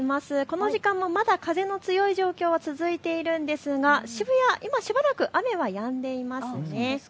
この時間もまだ風の強い状況は続いているんですが渋谷、今、しばらく雨はやんでいますね。